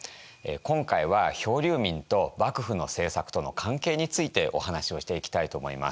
今回は漂流民と幕府の政策との関係についてお話をしていきたいと思います。